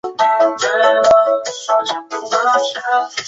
宽基多叶蓼为蓼科蓼属下的一个变种。